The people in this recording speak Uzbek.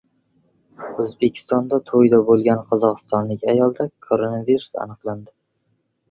O‘zbekistonda to‘yda bo‘lgan qozog‘istonlik ayolda koronavirus aniqlandi